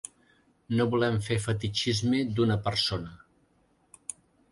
No volem fer fetitxisme d’una persona.